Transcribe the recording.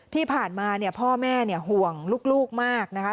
ที่ผ่านมาเนี่ยพ่อแม่ห่วงลูกมากนะคะ